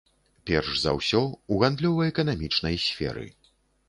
Перш за ўсё, у гандлёва-эканамічнай сферы.